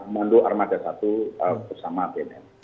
mandu armada satu bersama bnn